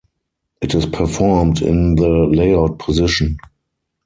It is performed in the layout position.